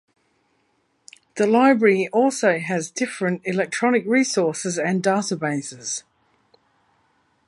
The Library also has different electronic resources and databases.